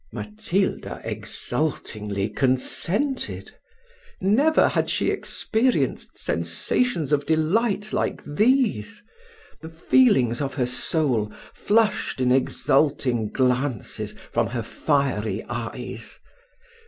Matilda exultingly consented: never had she experienced sensations of delight like these: the feelings of her soul flushed in exulting glances from her fiery eyes.